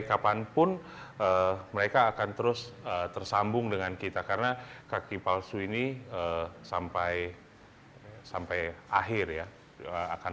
kapanpun mereka akan terus tersambung dengan kita karena kaki palsu ini sampai sampai akhir ya akan